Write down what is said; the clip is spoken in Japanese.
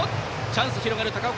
チャンスが広がる高岡